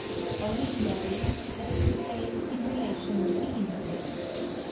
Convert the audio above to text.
_" "Originally," that is to say, in relation to the Infinite.